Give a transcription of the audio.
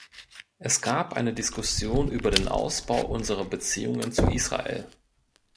Es gab eine Diskussion über den Ausbau unserer Beziehungen zu Israel.